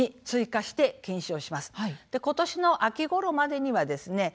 今年の秋ごろまでにはですね